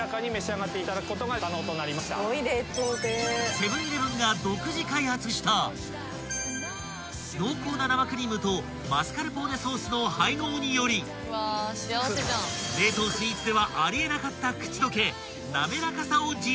［セブン−イレブンが独自開発した濃厚な生クリームとマスカルポーネソースの配合により冷凍スイーツではあり得なかった］